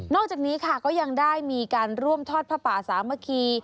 จากนี้ค่ะก็ยังได้มีการร่วมทอดผ้าป่าสามัคคี